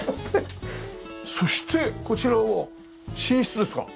そしてこちらは寝室ですか？